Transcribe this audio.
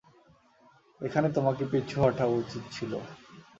এখানে তোমাকে পিছু হটা উচিত ছিল।